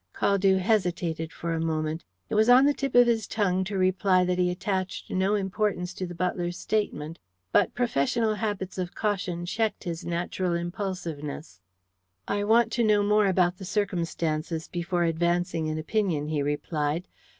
Caldew hesitated for a moment. It was on the tip of his tongue to reply that he attached no importance to the butler's statement, but professional habits of caution checked his natural impulsiveness. "I want to know more about the circumstances before advancing an opinion," he replied.